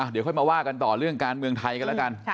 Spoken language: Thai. เดี๋ยวค่อยมาว่ากันต่อเรื่องการเมืองไทยกันแล้วกัน